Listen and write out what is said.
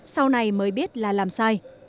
sau này mới biết là làm sai